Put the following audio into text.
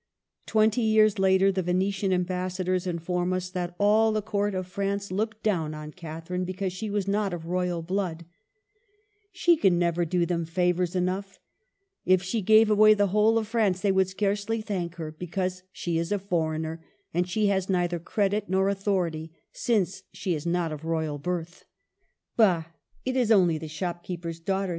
Twenty years later the Venetian Am bassadors inform us that all the Court of France l66 MARGARET OF ANGOUL^ME. looked down on Catherine because she was not of royal blood :— "She can never do them favors enough. If she gave away the whole of France, they would scarcely thank her, because she is a foreigner; and she has neidier credit nor authority, since she is not of royal birth." '' Bah ! it is only the shopkeeper's daughter